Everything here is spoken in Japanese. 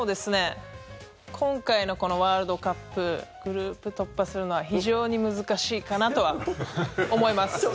今回のこのワールドカップグループ突破するのは非常に難しいかなとは思います。